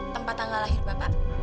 tempat tanggal lahir bapak